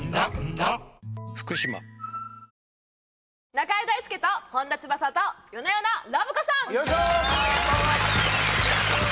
「中居大輔と本田翼と夜な夜なラブ子さん」！